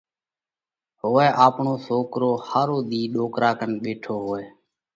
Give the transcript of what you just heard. هوَئہ آپڻو سوڪرو ۿارو ۮِي ڏوڪرا ڪنَ ٻيٺو هوئه۔